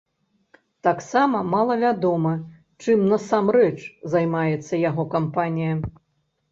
Таксама малавядома, чым насамрэч займаецца яго кампанія.